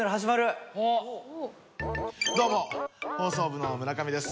どうも放送部の村上です。